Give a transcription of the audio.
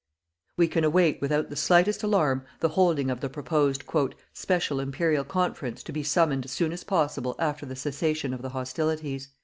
We can await without the slightest alarm the holding of the proposed "special Imperial Conference to be summoned as soon as possible after the cessation of the hostilities."